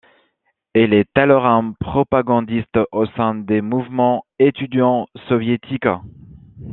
Il est alors un propagandiste au sein des mouvements étudiants soviétiques.